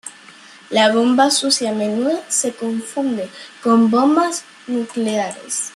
La bomba sucia a menudo se confunde con bombas nucleares.